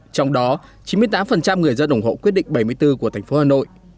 trong đó chín mươi tám người dân ủng hộ quyết định bảy mươi bốn của thành phố hà nội